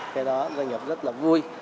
cái đó doanh nghiệp rất là vui